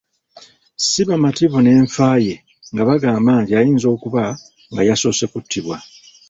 Ssi bamativu n’enfa ye nga bagamba nti ayinza okuba nga yasoose kuttibwa.